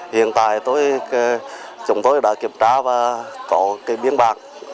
hiện tại chúng tôi đã kiểm tra và có biên bản